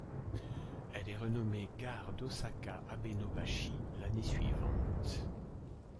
Elle est renommée gare d'Osaka-Abenobashi l'année suivante.